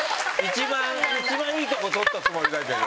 一番いいとこ取ったつもりだけど。